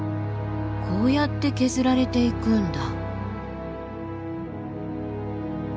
こうやって削られていくんだ。